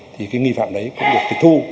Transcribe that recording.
thì cái nghi phạm đấy cũng được kịch thu